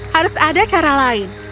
harus ada cara lain